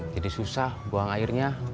jadi susah buang airnya